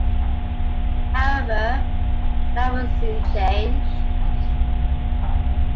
However, that would soon change.